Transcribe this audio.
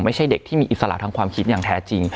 ไม่ใช่เด็กที่มีอิสระทางความคิดอย่างแท้จริง